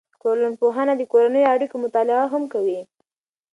ټولنپوهنه د کورنیو اړیکو مطالعه هم کوي.